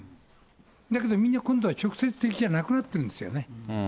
だけど、みんな今度は直接的じゃなくなってきてるんですよね。